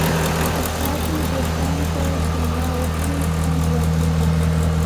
که تاسو له دوستانو سره سونا وکړئ، خوند زیاتېږي.